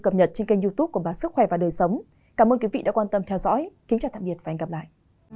cảm ơn quý vị đã quan tâm theo dõi kính chào tạm biệt và hẹn gặp lại